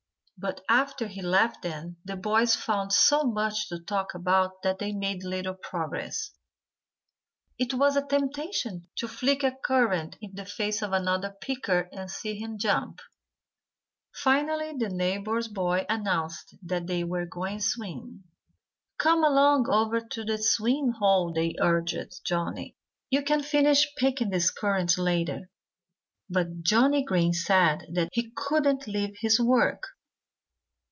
But after he left them the boys found so much to talk about that they made little progress. It was a temptation, too, to flick a currant into the face of another picker and see him jump. Finally the neighbors' boys announced that they were going swimming. "Come along over to the swimming hole!" they urged Johnnie. "You can finish picking these currants later." But Johnnie Green said that he couldn't leave his work.